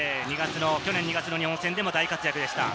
去年２月の日本戦でも大活躍でした。